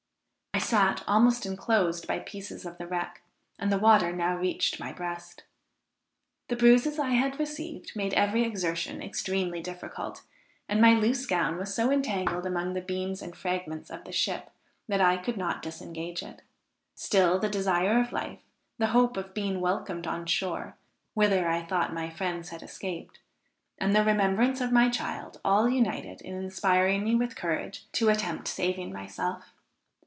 I sat almost enclosed by pieces of the wreck, and the water now reached my breast. The bruises I had received made every exertion extremely difficult, and my loose gown was so entangled among the beams and fragments of the ship, that I could not disengage it. Still the desire of life, the hope of being welcomed on shore, whither I thought my friends had escaped, and the remembrance of my child, all united in inspiring me with courage to attempt saving myself.